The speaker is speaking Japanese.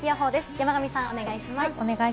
山神さん、お願いします。